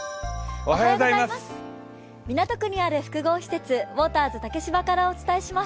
港区にある複合施設、ウォーターズ竹芝からお伝えします。